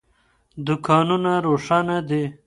دوکانونه روښانه دي.